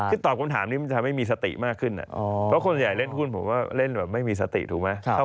เพราะหุ้นจริงมันรวยรวยแล้วหรือยาว